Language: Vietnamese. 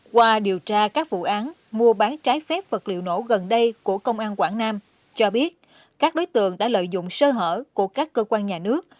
qua điều tra các vụ án mua bán trái phép vật liệu nổ gần đây của công an quảng nam cho biết các đối tượng đã lợi dụng sơ hở của các cơ quan nhà nước